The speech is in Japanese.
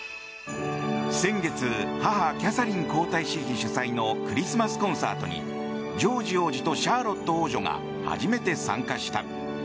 先月母キャサリン皇太子妃主催のクリスマスコンサートにジョージ王子とシャーロット王女が初めて参加した。